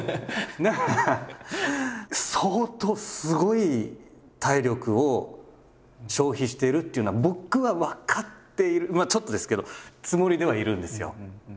だから相当すごい体力を消費しているっていうのは僕は分かっているちょっとですけどつもりではいるんですよ。